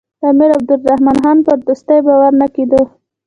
د امیر عبدالرحمن خان پر دوستۍ باور نه کېده.